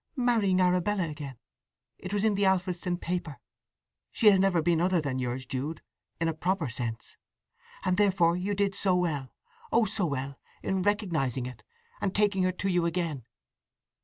"Marrying Arabella again. It was in the Alfredston paper. She has never been other than yours, Jude—in a proper sense. And therefore you did so well—Oh so well!—in recognizing it—and taking her to you again."